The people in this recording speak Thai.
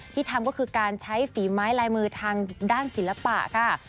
ทำก็คือการใช้ฝีไม้ลายมือทางด้านศิลปะค่ะ